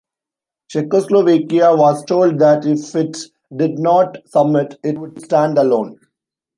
Czechoslovakia was told that if it did not submit, it would stand alone.